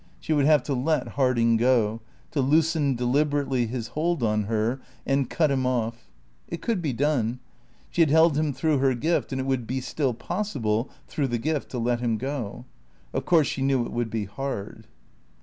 She would have to let Harding go, to loosen deliberately his hold on her and cut him off. It could be done. She had held him through her gift, and it would be still possible, through the gift, to let him go. Of course she knew it would be hard.